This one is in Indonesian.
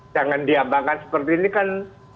jangan diambangkan seperti ini kan